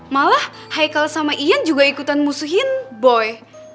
malah haikal sama ian juga ikutan musuhin boy